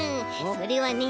それはね。